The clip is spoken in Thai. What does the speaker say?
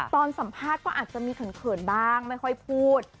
ตอนสัมภาษณ์ก็อาจจะมีเขินบ้างไม่ค่อยพูด